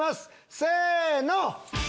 せの！